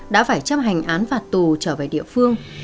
đã phải chấp hành án phạt tù trở về địa phương